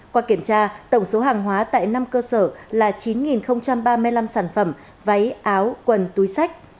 qua kiểm tra tổng số hàng hóa tại năm cơ sở là chín ba mươi năm sản phẩm váy áo quần túi sách